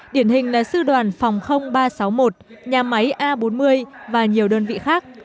điển hình là sư đoàn phòng ba trăm sáu mươi một nhà máy a bốn mươi và nhiều đơn vị khác